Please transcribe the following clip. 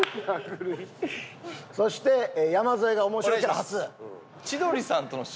そして山添が「面白キャラ」初。